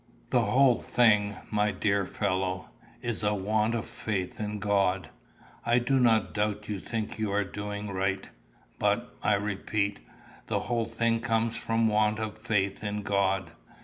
The whole thing, my dear fellow, is a want of faith in God. I do not doubt you think you are doing right, but, I repeat, the whole thing comes from want of faith in God.